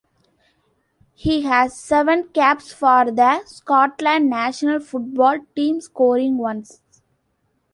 He has seven caps for the Scotland national football team scoring once.